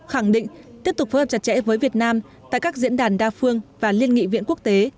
khẳng định tiếp tục phối hợp chặt chẽ với việt nam tại các diễn đàn đa phương và liên nghị viện quốc tế